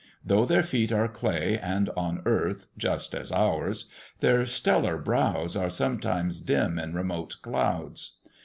Though their feet are clay and on earth, just as ours, their stellar brows are sometimes dim in remote clouds.